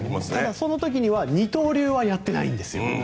その時には二刀流はやっていないんです。